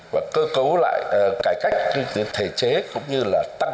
và cơ cấu lại cải cách kinh tế thể chế cũng như là tăng trưởng